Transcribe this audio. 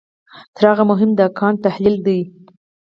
تر هغه مهم د کانټ تحلیل دی.